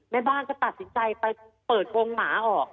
แม่บ้านก็ตัดสินใจไปเปิดวงหมาออก